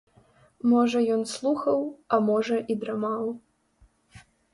Можа ён слухаў, а можа і драмаў.